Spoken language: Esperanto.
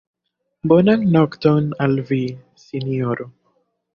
Bonan nokton al vi, sinjoro.